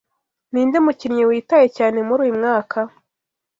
Ninde mukinnyi witaye cyane muri uyumwaka?